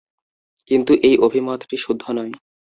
কিন্তু এই অভিমতটি শুদ্ধ নয়।